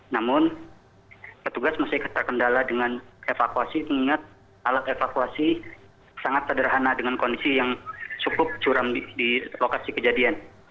namun petugas masih terkendala dengan evakuasi mengingat alat evakuasi sangat sederhana dengan kondisi yang cukup curam di lokasi kejadian